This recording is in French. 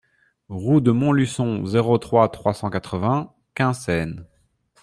Route de Montluçon, zéro trois, trois cent quatre-vingts Quinssaines